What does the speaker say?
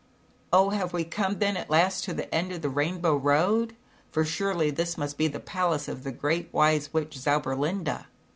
"Oh, have we come then at last to the end of the Rainbow Road? For surely this must be the palace o:: the Great Wise Witch, Zauberlinda.